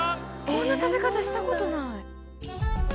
こんな食べ方した事ない！